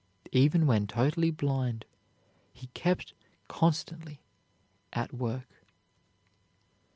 Even when totally blind, he kept constantly at work.